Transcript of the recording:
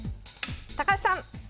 高橋さん！